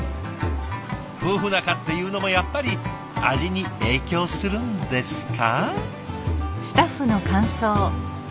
夫婦仲っていうのもやっぱり味に影響するんですか？